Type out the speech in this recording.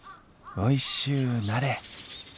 おいしゅうなれ。